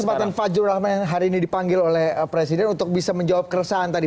kesempatan fajrul rahman yang hari ini dipanggil oleh presiden untuk bisa menjawab keresahan tadi